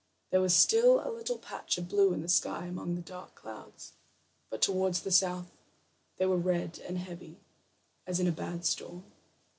There was still a little patch of blue in the sky among the dark clouds, but toward the south they were red and heavy, as in a bad storm.